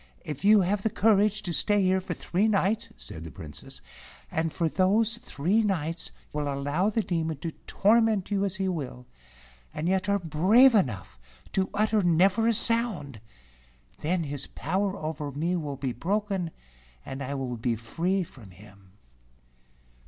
If you have the courage to stay here for three nights," said the Princess, "and for those three nights will allow the Demon to torment you as he will, and yet are brave enough to utter never a sound, then his power over me will be broken, and I will be free from him."